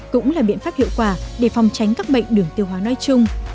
cũng là biện pháp hiệu quả để phòng tránh các bệnh đường tiêu hóa nói chung